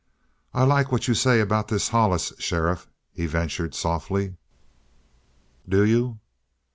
"I like what you say about this Hollis, sheriff," he ventured softly. "Do you?